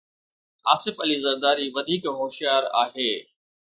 آصف علي زرداري وڌيڪ هوشيار آهي.